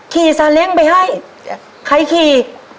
ซาเล้งไปให้ใครขี่